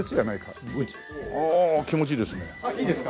ああ気持ちいいですね。